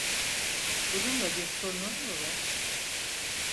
Bununla bir sorunun mu var?